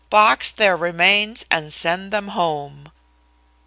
Box their remains and send them home.'"